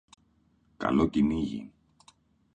Καλό κυνήγι!